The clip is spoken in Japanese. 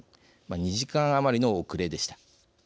２時間余りの遅れでした。